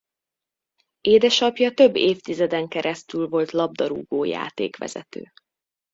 Édesapja több évtizeden keresztül volt labdarúgó-játékvezető.